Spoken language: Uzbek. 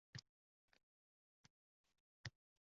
Huzuringda munofiqlar yursalar ham!